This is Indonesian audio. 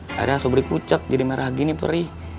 akhirnya asobri kucek jadi merah gini perih